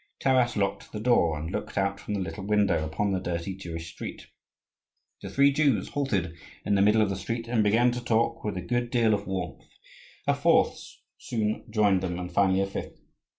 Taras locked the door, and looked out from the little window upon the dirty Jewish street. The three Jews halted in the middle of the street and began to talk with a good deal of warmth: a fourth soon joined them, and finally a fifth.